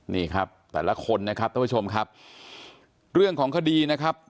นี่ครับแต่ละคนนะครับท่านผู้ชมครับเรื่องของคดีนะครับ